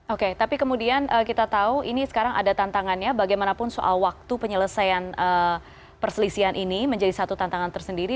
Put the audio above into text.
oke tapi kemudian kita tahu ini sekarang ada tantangannya bagaimanapun soal waktu penyelesaian perselisihan ini menjadi satu tantangan tersendiri